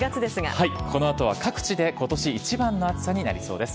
この後は各地で今年一番の暑さになりそうです。